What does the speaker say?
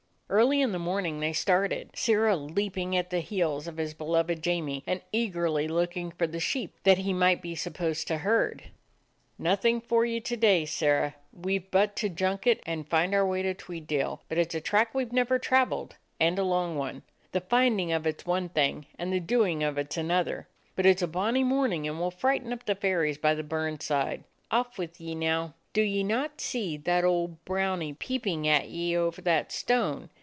Early in the morning they started, Sirrah 74 A DOG OF THE ETTRICK HILLS leaping at the heels of his beloved Jamie and eagerly looking for the sheep that he might be supposed to herd. "Nothing for you to day, Sirrah. We've but to junket and find our way to Tweeddale. But it 's a track we 've never traveled, and a long one. The finding of it 's one thing, and the doing of it 's another. But it 's a bonny morning, and we 'll frighten up the fairies by the burn side. Off with ye, now. Do ye not see that old brownie peeping at ye over that stone?